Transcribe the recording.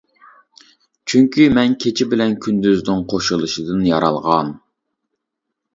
چۈنكى، مەن كېچە بىلەن كۈندۈزنىڭ قوشۇلۇشىدىن يارالغان!